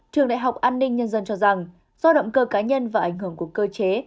trường đại học an ninh nhân dân cho rằng do động cơ cá nhân và ảnh hưởng của cơ chế